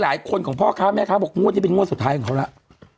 ของพ่อค้าแม่ค้าบอกงวดนี้เป็นงวดสุดท้ายของเขาแล้ว